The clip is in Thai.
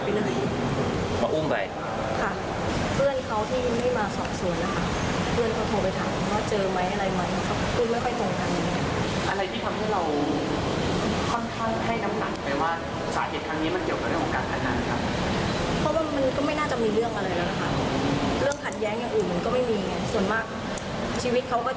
เพราะว่ามันก็ไม่น่าจะมีเรื่องอะไรแล้วนะคะเรื่องขัดแย้งอย่างอื่นมันก็ไม่มีส่วนมากชีวิตเขาก็จะเน้นอยู่เรื่องนี้